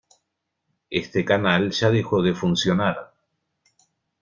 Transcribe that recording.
Este canal ya dejó de funcionar.